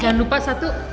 jangan lupa satu